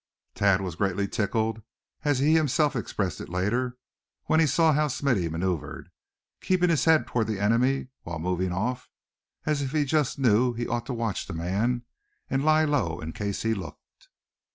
Thad was greatly "tickled" as he himself expressed it later, when he saw how Smithy maneuvered, keeping his head toward the enemy while moving off, as if he just knew he ought to watch the man, and lie low in case he looked.